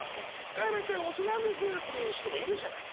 「カエラちゃん推しなんです！」という人もいるじゃない。